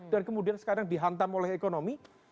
dan kemudian sekarang dihantam oleh ekonomi